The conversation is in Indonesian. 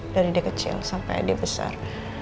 dari d kecil sampai dia besar